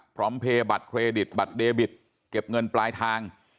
เพบัตรเครดิตบัตรเดบิตเก็บเงินปลายทาง